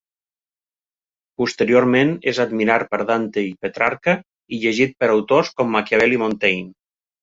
Posteriorment és admirat per Dante i Petrarca i llegit per autors com Maquiavel i Montaigne.